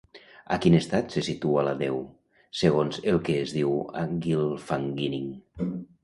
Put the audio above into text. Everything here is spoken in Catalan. A quin estat se situa la deu, segons el que es diu a Gylfaginning?